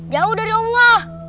jauh dari allah